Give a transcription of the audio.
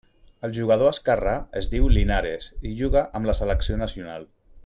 El jugador esquerrà es diu Linares i juga amb la selecció nacional.